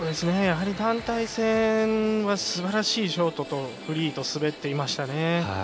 団体戦は、すばらしいショートとフリーを滑っていましたね。